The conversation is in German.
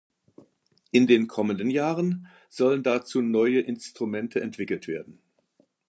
In den kommenden Jahren sollen dazu neue Instrumente entwickelt werden.